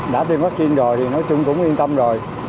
đã tiêm vaccine rồi thì nói chung cũng yên tâm rồi